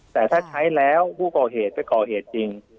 แต่ถ้าใช้แล้วผู้ก่อเหตุไปก่อเหตุจริง